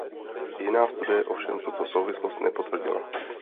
Jiná studie ovšem tuto souvislost nepotvrdila.